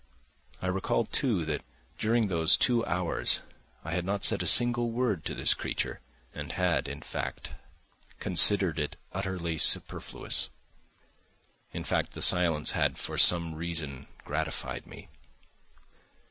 I recalled, too, that during those two hours I had not said a single word to this creature, and had, in fact, considered it utterly superfluous; in fact, the silence had for some reason gratified me.